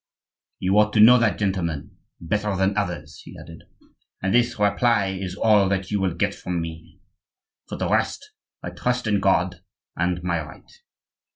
"You ought to know that, gentlemen, better than others," he added; "and this reply is all that you will get from me. For the rest, I trust in God and my right."